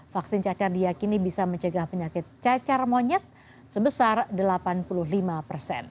vaksin cacar diakini bisa mencegah penyakit cacar monyet sebesar delapan puluh lima persen